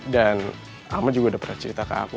dan alma juga udah pernah cerita ke aku